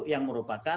yang merupakan resapan